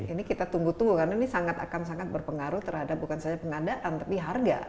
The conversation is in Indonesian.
ini kita tunggu tunggu karena ini akan sangat berpengaruh terhadap bukan saja pengadaan tapi harga